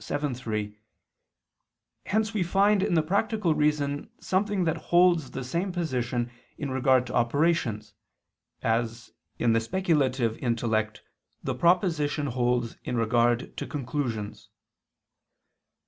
vii, 3); hence we find in the practical reason something that holds the same position in regard to operations, as, in the speculative intellect, the proposition holds in regard to conclusions.